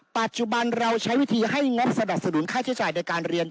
ปัจจุบันเราใช้วิธีให้งบสนับสนุนค่าใช้จ่ายในการเรียน